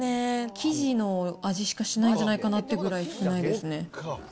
生地の味しかしないんじゃないかなってぐらい少ないですね。